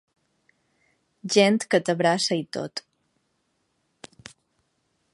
Gent que t’abraça i tot.